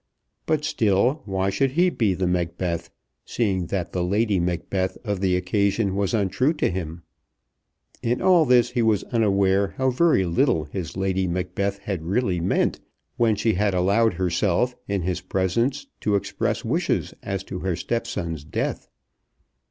But still why should he be the Macbeth, seeing that the Lady Macbeth of the occasion was untrue to him? In all this he was unaware how very little his Lady Macbeth had really meant when she had allowed herself in his presence to express wishes as to her stepson's death.